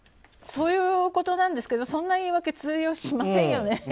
そういうことなんですけどそんな言い訳通用しませんよね。